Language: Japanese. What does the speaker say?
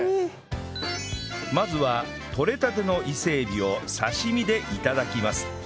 まずはとれたての伊勢エビを刺身で頂きます